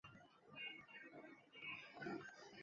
奥唐日人口变化图示